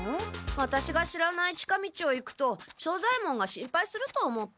ワタシが知らない近道を行くと庄左ヱ門が心配すると思って。